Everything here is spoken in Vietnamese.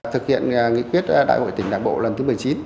thực hiện nghị quyết đại hội tỉnh đảng bộ lần thứ một mươi chín